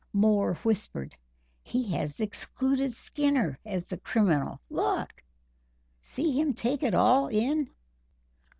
Moore whispered: "He has excluded Skinner as the criminal. Look! see him take it all in."